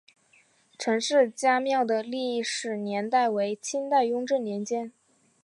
陈氏家庙的历史年代为清代雍正年间。